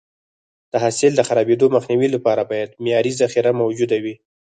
د حاصل د خرابېدو مخنیوي لپاره باید معیاري ذخیره موجوده وي.